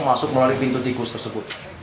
masuk melalui pintu tikus tersebut